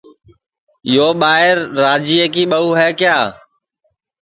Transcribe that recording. یو ٻائیر راجِئے ٻہُو ہے کِیا